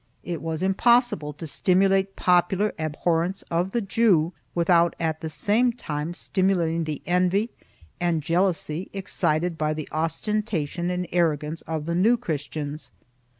It was impossible to stimulate popular abhorrence of the Jew without at the same time stimulating the envy and jealousy excited by the ostentation and arrogance of the New Christians.